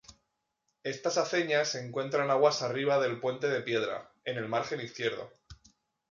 Estas aceñas se encuentran "aguas arriba" del puente de Piedra, en el margen izquierdo.